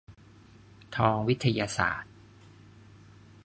ทองวิทยาศาสตร์